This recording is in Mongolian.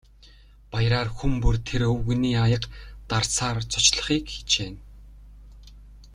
Баяраар хүн бүр тэр өвгөнийг аяга дарсаар зочлохыг хичээнэ.